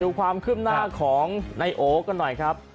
ดูความขึ้นหน้าของนายโอ๊ะก็หน่อยครับ